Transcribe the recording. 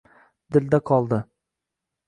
Dilda qoldi…